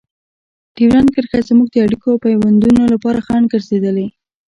ډیورنډ کرښه زموږ د اړیکو او پيوندونو لپاره خنډ ګرځېدلې.